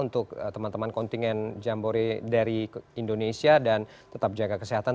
untuk teman teman kontingen jambore dari indonesia dan tetap jaga kesehatan